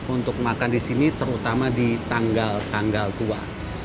untuk makan di sini terutama di tanggal tanggal tua